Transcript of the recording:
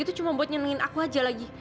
itu cuma buat nyenengin aku aja lagi